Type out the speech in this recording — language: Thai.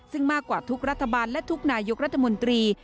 ซึ่งมากกว่าทุกรัฐบาลและทุกนายกรัฐมนตรี